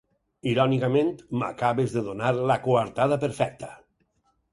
Irònicament, m'acabes de donar la coartada perfecta.